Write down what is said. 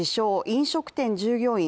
・飲食店従業員